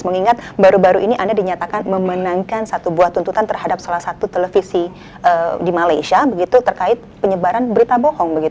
mengingat baru baru ini anda dinyatakan memenangkan satu buah tuntutan terhadap salah satu televisi di malaysia begitu terkait penyebaran berita bohong